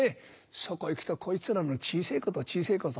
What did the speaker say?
そこへ行くとこいつらの小せぇこと小せぇこと。